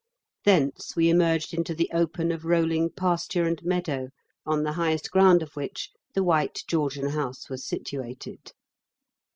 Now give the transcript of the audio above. Thence we emerged into the open of rolling pasture and meadow on the highest ground of which the white Georgian house was situated.